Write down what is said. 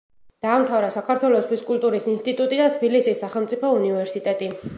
დაამთავრა საქართველოს ფიზკულტურის ინსტიტუტი და თბილისის სახელმწიფო უნივერსიტეტი.